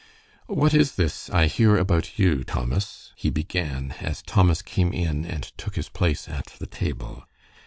"What is this I hear about you, Thomas?" he began, as Thomas came in and took his place at the table.